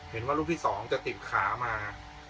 เห็นรูปที่สองจะติบขา